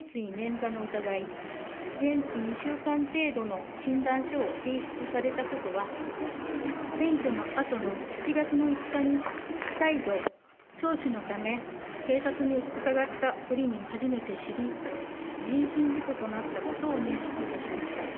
捻挫の疑い、全治２週間程度の診断書を提出されたことは、選挙のあとの７月の５日に再度、聴取のため警察に伺った折に初めて知り、人身事故となったことを認識いたしました。